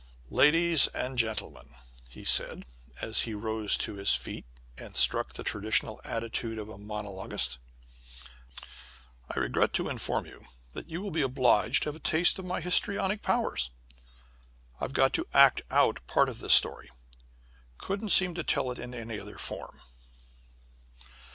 "Ladies and gentlemen," he said, as he rose to his feet, and struck, the traditional attitude of a monologist, "I regret to inform you that you will be obliged to have a taste of my histrionic powers. I've got to act out part of this story couldn't seem to tell it in any other form."